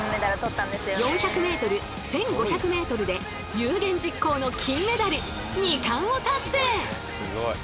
４００ｍ１５００ｍで有言実行の金メダル！